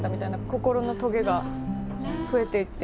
心のトゲが増えていって。